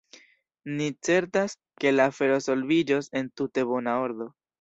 Ni certas, ke la afero solviĝos en tute bona ordo.